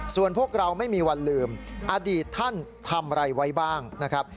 ส่วนพวกเราไม่มีวันลืมอดีตท่านทำอะไรไว้บ้างนะครับ